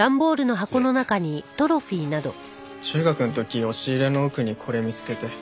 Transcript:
中学の時押し入れの奥にこれ見つけて。